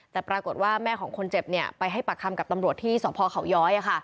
แต่ปรากฏว่าแม่ของคนเจ็บไปให้ปากคำกับตำรวจที่สพเขาย้อย